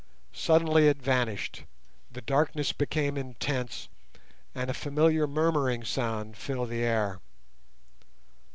Suddenly it vanished, the darkness became intense, and a familiar murmuring sound filled the air.